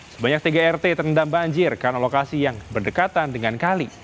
sebanyak tiga rt terendam banjir karena lokasi yang berdekatan dengan kali